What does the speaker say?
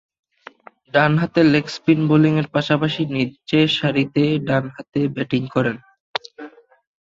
ডানহাতে leg spin বোলিংয়ের পাশাপাশি নিচের সারিতে ডানহাতে ব্যাটিং করেন।